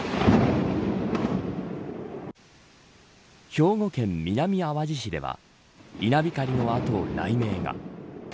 兵庫県南あわじ市では稲光の後、雷鳴が。